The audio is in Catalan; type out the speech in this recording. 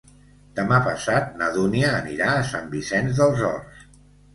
Demà passat na Dúnia anirà a Sant Vicenç dels Horts.